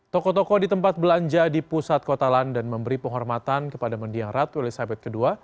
toko toko di tempat belanja di pusat kota london memberi penghormatan kepada mendiang ratu elizabeth ii